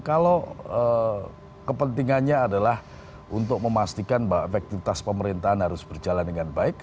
kalau kepentingannya adalah untuk memastikan bahwa efektivitas pemerintahan harus berjalan dengan baik